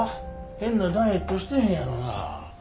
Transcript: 変なダイエットしてへんやろな？